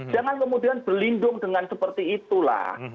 jangan kemudian berlindung dengan seperti itulah